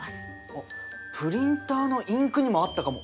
あっプリンターのインクにもあったかも。